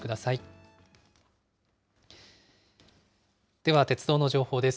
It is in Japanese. では、鉄道の情報です。